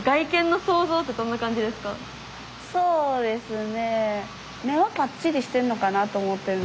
そうですね。